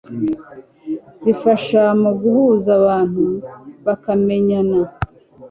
zifasha mu guhuza abantu bakamenyana